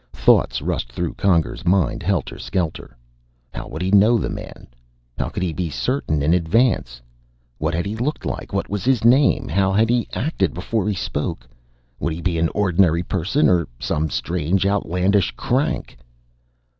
Thoughts rushed through Conger's mind, helter skelter. How would he know the man? How could he be certain, in advance? What had he looked like? What was his name? How had he acted, before he spoke? Would he be an ordinary person, or some strange outlandish crank?